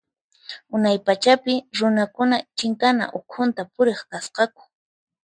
Unay pachapi runakuna chinkana ukhunta puriq kasqaku.